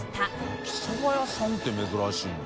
焼きそば屋さんって珍しいね。